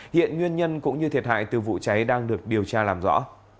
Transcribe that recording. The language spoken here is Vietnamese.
hiện nguyên nhân cũng như thiệt hại từ vụ cháy đang được điều tra làm rõ